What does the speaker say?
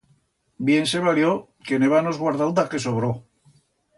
Bien se valió que en hébanos guardau d'a que sobró.